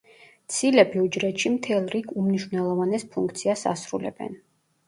ცილები უჯრედში მთელ რიგ უმნიშვნელოვანეს ფუნქციას ასრულებენ.